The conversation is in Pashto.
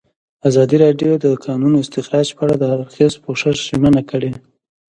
ازادي راډیو د د کانونو استخراج په اړه د هر اړخیز پوښښ ژمنه کړې.